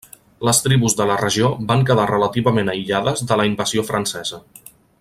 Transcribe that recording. Les tribus de la regió van quedar relativament aïllades de la invasió francesa.